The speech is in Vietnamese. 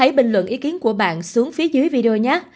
hãy bình luận ý kiến của bạn xuống phía dưới video nhát